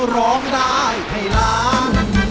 ร้องได้ให้ล้าน